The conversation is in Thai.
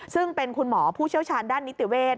ซึ่งเป็นคุณหมอผู้เชี่ยวชาญด้านนิติเวศ